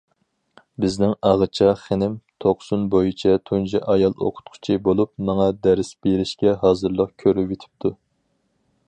بىزنىڭ ئاغىچا خېنىم توقسۇن بويىچە تۇنجى ئايال ئوقۇتقۇچى بولۇپ ماڭا دەرس بېرىشكە ھازىرلىق كۆرۈۋېتىپتۇ.